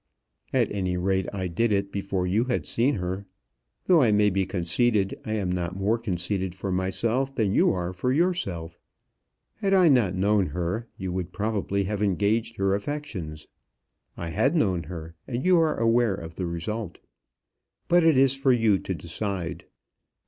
"At any rate I did it before you had seen her. Though I may be conceited, I am not more conceited for myself than you are for yourself. Had I not known her, you would probably have engaged her affections. I had known her, and you are aware of the result. But it is for you to decide.